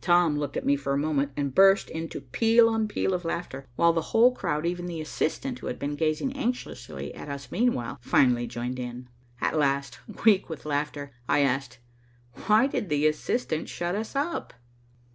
Tom looked at me for a moment and burst into peal on peal of laughter, while the whole crowd, even the assistant, who had been gazing anxiously at us meanwhile, finally joined in. At last, weak with laughter, I asked, "Why did the assistant shut us up?"